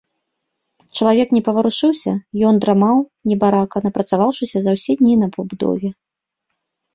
Чалавек не паварушыўся, ён драмаў, небарака, напрацаваўшыся за ўсе дні на пабудове.